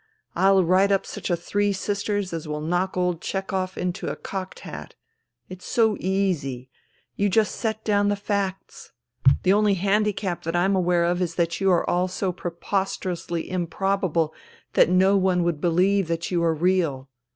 I'll write up such a Three Sisters as will knock old Chehov into a cocked hat. It's so easy. You just set down the facts. The only handicap that I'm aware of is that you are all of you so preposterously THE THREE SISTERS 78 improbable that no one would believe that you were real.